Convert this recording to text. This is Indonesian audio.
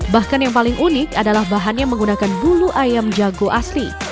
bahkan yang paling unik adalah bahannya menggunakan bulu ayam jago asli